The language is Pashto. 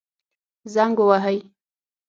زنګ ووهئ